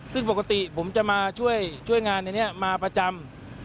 ซึ่งปกติผมจะมาช่วยงานอันนี้มาประจำ